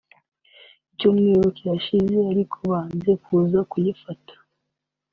icyumweru kirashize ariko banze kuza kuyifata